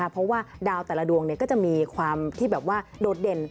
เพราะว่าดาวแต่ละดวงก็จะมีความที่แบบว่าโดดเด่น